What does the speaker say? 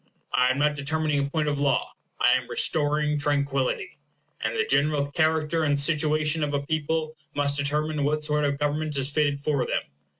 I am not determining a point of law, I am restoring tranquillity; and the general character and situation of a people must determine what sort of government is fitted for them.